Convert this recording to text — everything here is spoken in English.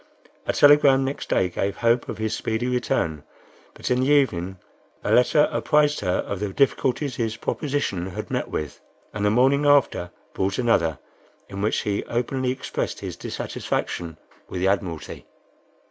A telegram next day gave hope of his speedy return, but in the evening a letter apprised her of the difficulties his proposition had met with, and the morning after brought another, in which he openly expressed his dissatisfaction with the Admiralty.